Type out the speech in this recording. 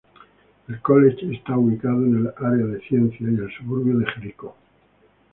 El college está ubicada en el Área de Ciencias y el suburbio de Jericó.